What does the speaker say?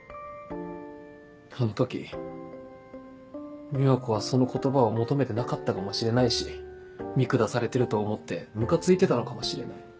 あの時美和子はその言葉を求めてなかったかもしれないし見下されてると思ってムカついてたのかもしれない。